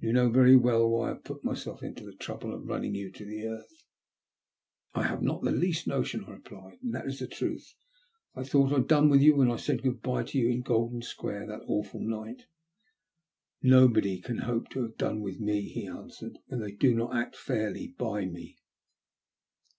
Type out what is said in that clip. You know very well I why I have put myself to the trouble of running you to earth," ''I have not the least notion," I replied, ''and that is the truth. I thought I had done with you when I said good bye to you in Golden Square that awful night." "Nobody can hope to have done with me," he answered, " when they do not act fairly by me."